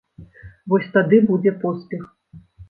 Вось тады будзе поспех.